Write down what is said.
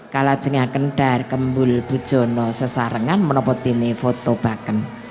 kalajengakan dari kembul bujono sesarengan menopo dini foto baken